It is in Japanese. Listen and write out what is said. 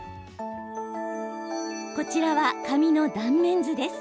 こちらは髪の断面図です。